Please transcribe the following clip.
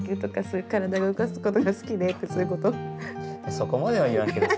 そこまでは言わんけどさ。